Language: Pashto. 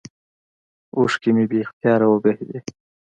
اوښكې مې بې اختياره وبهېدې.